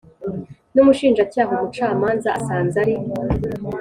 n Umushinjacyaha umucamanza asanze ari